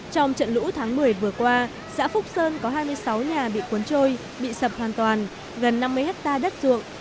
trong trận lũ tháng một mươi vừa qua xã phúc sơn có hai mươi sáu nhà bị cuốn trôi bị sập hoàn toàn gần năm mươi hectare đất ruộng